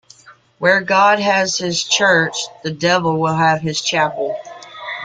Where God has his church, the devil will have his chapel.